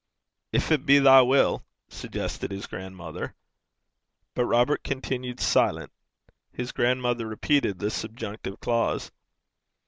'If it be thy will,' suggested his grandmother. But Robert continued silent. His grandmother repeated the subjunctive clause.